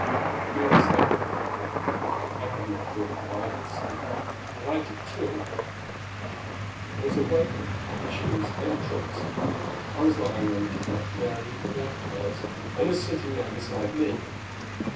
Mary slept a little. I had not thought that I could sleep, but I did too; and was awakened by Tugh's entrance. I was lying on the couch; Mary had left hers and was sitting now beside me.